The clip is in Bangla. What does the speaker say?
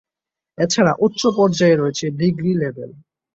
এছাড়া উচ্চ পর্যায়ে রয়েছে ডিগ্রি লেভেল।